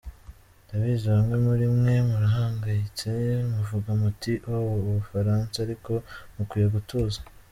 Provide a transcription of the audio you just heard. Ndabizi bamwe muri mwe murahangayitse muvuga muti oh.., u Bufaransa..., ariko mukwiye gutuza.